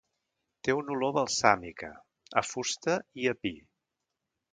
Té una olor balsàmica, a fusta i a pi.